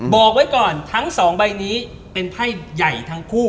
บอกไว้ก่อนทั้งสองใบนี้เป็นไพ่ใหญ่ทั้งคู่